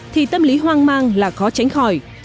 thì tâm lý hoang mang là khó tránh khỏi